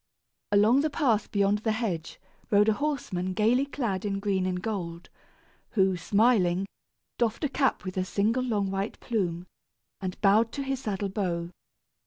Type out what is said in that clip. Along the path beyond the hedge rode a horseman gayly clad in green and gold, who, smiling, doffed a cap with a single long white plume, and bowed to his saddle bow.